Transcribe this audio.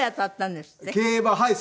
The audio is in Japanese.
競馬はい。